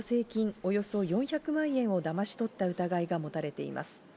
およそ４００万円を騙し取った疑いが持たれています。